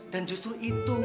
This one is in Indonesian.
dan justru itu